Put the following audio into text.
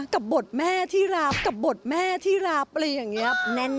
กับบทแม่ที่รับกับบทแม่ที่รับอะไรอย่างนี้แน่น